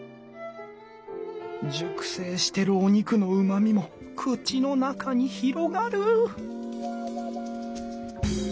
熟成してるお肉のうまみも口の中に広がる！